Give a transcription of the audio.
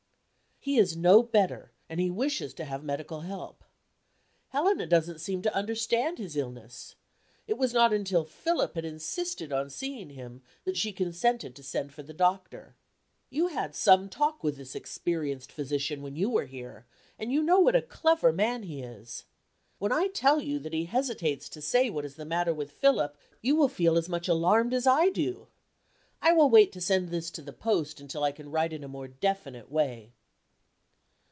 He is no better; and he wishes to have medical help. Helena doesn't seem to understand his illness. It was not until Philip had insisted on seeing him that she consented to send for the doctor. You had some talk with this experienced physician when you were here, and you know what a clever man he is. When I tell you that he hesitates to say what is the matter with Philip, you will feel as much alarmed as I do. I will wait to send this to the post until I can write in a more definite way.